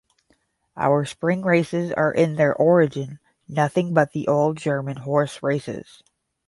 Our spring races are in their origin nothing but the old German horse-races.